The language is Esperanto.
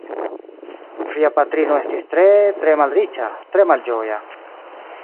Via patrino estis tre, tre malriĉa, tre malĝoja.